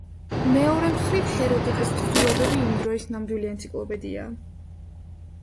მეორე მხრივ, ჰეროდოტეს თხზულებები იმ დროის ნამდვილი ენციკლოპედიაა.